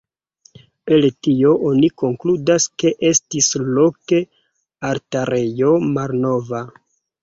El tio oni konkludas ke estis surloke altarejo malnova.